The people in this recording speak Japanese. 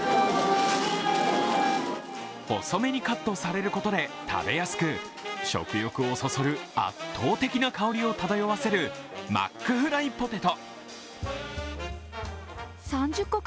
細めにカットされることで食べやすく、食欲をそそる圧倒的な香りを漂わせるマックフライポテト。